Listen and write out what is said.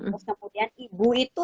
terus kemudian ibu itu